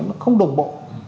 nó không đồng bộ